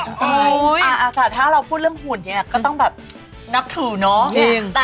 อ๋อทีรักษาถ้าเราพูดเรื่องหุ่นนี่ก็ต้องแบบนักถือเนอะ